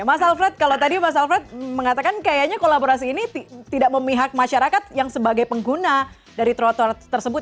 mas alfred kalau tadi mas alfred mengatakan kayaknya kolaborasi ini tidak memihak masyarakat yang sebagai pengguna dari trotoar tersebut